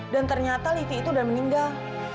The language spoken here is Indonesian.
dan ternyata livi itu udah meninggal